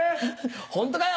ホントかよ？